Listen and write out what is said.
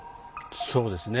そうですね。